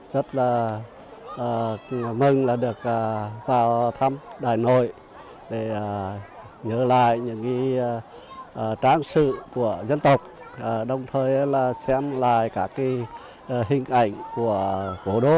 rất là mừng được vào thăm đài nội để nhớ lại những trang sự của dân tộc đồng thời xem lại các hình ảnh của vô đô